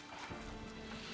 mahu kau masuk neraka